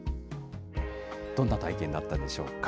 どんな体験だったんでしょうか。